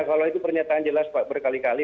kalau itu pernyataan jelas pak berkali kali